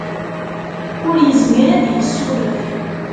Ur yezmir ad d-yessuref.